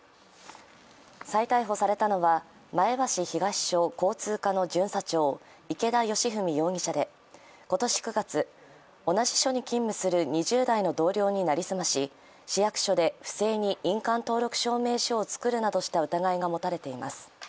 再逮捕されたのは前橋市東署交通課の巡査長、池田佳史容疑者で今年９月、同じ署に勤務する２０代の同僚に成り済まし市役所で不正に印鑑登録証明書を作るなどした疑いが持たれています。